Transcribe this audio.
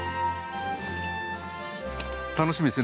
楽しみですね